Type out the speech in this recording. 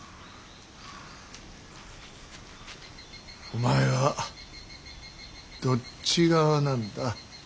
お前はどっち側なんだ。